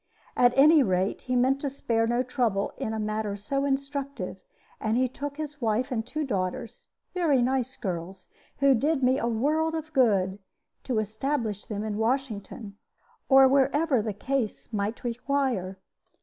At any rate, he meant to spare no trouble in a matter so instructive, and he took his wife and two daughters very nice girls, who did me a world of good to establish them in Washington, or wherever the case might require.